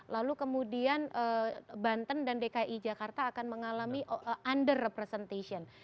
lalu kemudian banten dan dki jakarta akan mengalami under representation